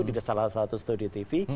di salah satu studio tv